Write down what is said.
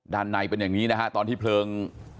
ในเป็นอย่างนี้นะฮะตอนที่เพลิง